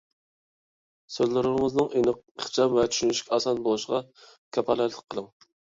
سۆزلىرىڭىزنىڭ ئېنىق، ئىخچام ۋە چۈشىنىشكە ئاسان بولۇشىغا كاپالەتلىك قىلىڭ.